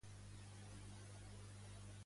Quin és el model de l'esquerra verda?